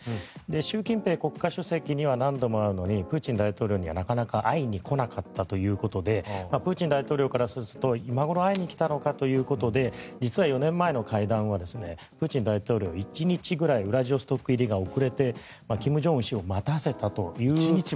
習近平国家主席には何度も会うのにプーチン大統領にはなかなか会いに来なかったということでプーチン大統領からすると今頃会いに来たのかということで実は４年前の会談はプーチン大統領は１日くらいウラジオストク入りが遅れて金正恩氏を待たせたという。